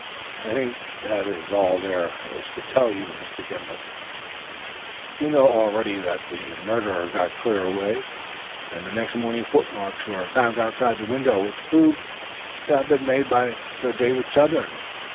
"I think that is all there is to tell you, Mr. Gimblet. You know already that the murderer got clear away, and the next morning footmarks were found outside the window which proved to have been made by Sir David Southern.